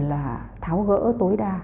là tháo gỡ tối đa